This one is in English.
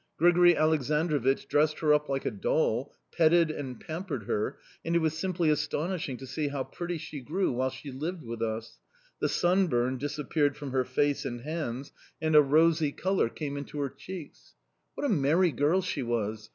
Grigori Aleksandrovich dressed her up like a doll, petted and pampered her, and it was simply astonishing to see how pretty she grew while she lived with us. The sunburn disappeared from her face and hands, and a rosy colour came into her cheeks... What a merry girl she was!